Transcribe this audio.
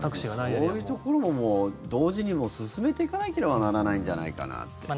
そういうところも同時に進めていかないといけないんじゃないかなと。